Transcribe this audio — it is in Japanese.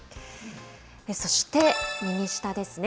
そして右下ですね。